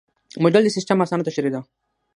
موډل د سیسټم اسانه تشریح ده.